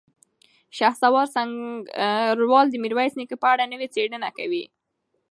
شهسوار سنګروال د میرویس نیکه په اړه نوې څېړنه کړې.